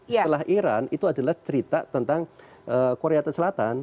setelah iran itu adalah cerita tentang korea selatan